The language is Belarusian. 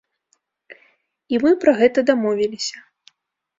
І мы пра гэта дамовіліся.